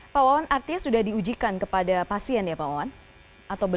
pak wawan artinya sudah diujikan kepada pasien ya pak wawan